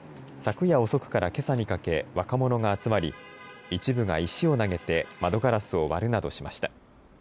昨夜遅くからけさにかけ若者が集まり一部が石を投げて窓ガラスを割るなどしました。